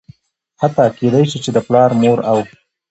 حتا کيدى شي چې د پلار ،مور او